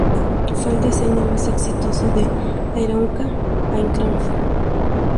Fue el diseño más exitoso de Aeronca Aircraft.